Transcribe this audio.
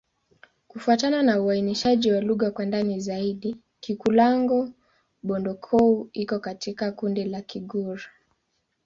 Kufuatana na uainishaji wa lugha kwa ndani zaidi, Kikulango-Bondoukou iko katika kundi la Kigur.